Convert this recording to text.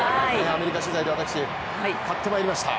アメリカ取材で買ってまいりました。